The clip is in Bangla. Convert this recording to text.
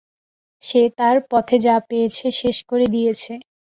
সে তার পথে যা পেয়েছে শেষ করে দিয়েছে।